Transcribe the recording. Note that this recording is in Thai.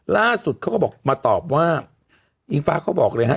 ล่าสุดเขาก็บอกมาตอบว่าอิงฟ้าเขาบอกเลยฮะ